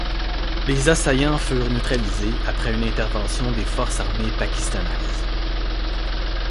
Les assaillants furent neutralisés après une intervention des forces armées pakistanaises.